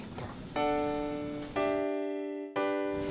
catat aja ya